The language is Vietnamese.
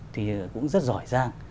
thì cũng rất giỏi giang